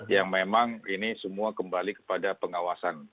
yang memang ini semua kembali kepada pengawasan